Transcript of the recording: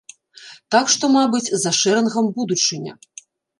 Так што, мабыць, за шэрынгам будучыня.